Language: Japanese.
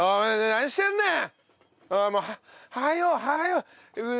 何してんねん！